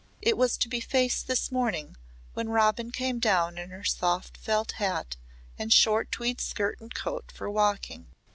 It was to be faced this morning when Robin came down in her soft felt hat and short tweed skirt and coat for walking.